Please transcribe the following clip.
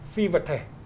phi vật thể